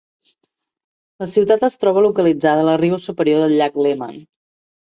La ciutat es troba localitzada a la riba superior del llac Léman.